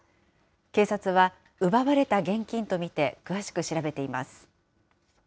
警察は奪われた現金と見て詳しく調べています。